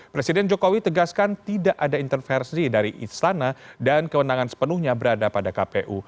presiden jokowi tegaskan tidak ada intervensi dari istana dan kewenangan sepenuhnya berada pada kpu